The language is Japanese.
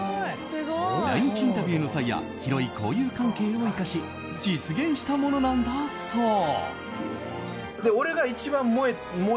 来日インタビューの際や広い交友関係を生かし実現したものなんだそう。